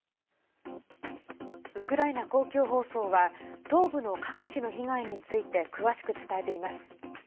ウクライナ公共放送は東部の各地の被害について詳しく伝えています。